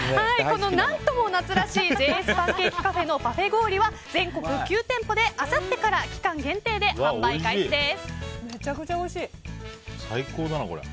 この何とも夏らしい、Ｊ．Ｓ．ＰＡＮＣＡＫＥＣＡＦＥのパフェ氷は、全国９店舗であさってから期間限定で販売開始です。